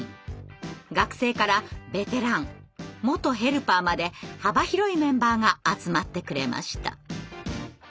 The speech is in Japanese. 学生からベテラン元ヘルパーまで幅広いメンバーが集まってくれました。